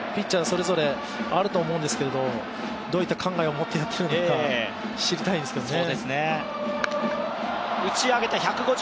それぞれあると思うんですけれど、どういった考えを持っているのか知りたいですよね。